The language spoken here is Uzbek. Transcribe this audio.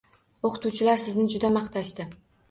O`qituvchilar sizni juda maqtashdi